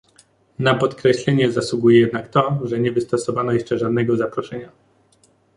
Na podkreślenie zasługuje jednak to, że nie wystosowano jeszcze żadnego zaproszenia